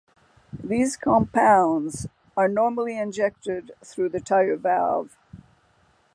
These compounds are normally injected through the tire valve.